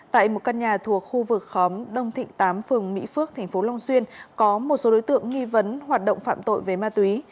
tại một căn nhà thuộc khu vực khóm đông thịnh tám phường mỹ phước tp long xuyên có một số đối tượng nghi vấn hoạt động phạm tội về ma túy